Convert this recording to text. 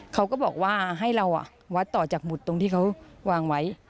เขาก็บอกว่าให้เราวัดต่อจากหมุดตรงที่เขาวางไว้